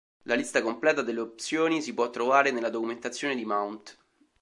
La lista completa delle opzioni si può trovare nella documentazione di mount.